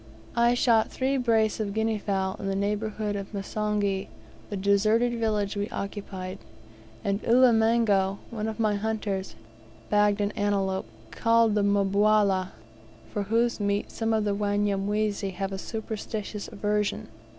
I shot three brace of guinea fowl in the neighbourhood of Misonghi, the deserted village we occupied, and Ulimengo, one of my hunters, bagged an antelope, called the "mbawala," for whose meat some of the Wanyamwezi have a superstitious aversion.